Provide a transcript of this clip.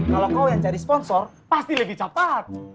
kalau kau yang cari sponsor pasti lebih cepat